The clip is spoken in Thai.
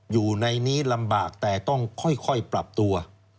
อยู่ในนี้ลำบากแต่ต้องค่อยปรับตัว